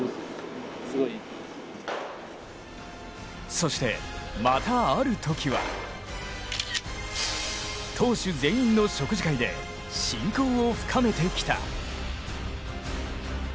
そして、またある時は投手全員の食事会で親交を深めてきた。